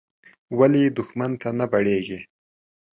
ولې دوښمن ته نه بړېږې.